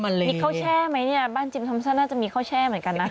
น่าจะมีข้าวแช่เหมือนกันนะ